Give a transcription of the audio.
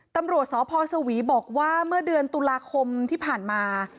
ตำรวจสพสวีบอกว่าเมื่อเดือนตุลาคมที่ผ่านมา